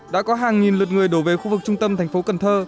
đã có hàng nghìn lượt người đổ về khu vực trung tâm thành phố cần thơ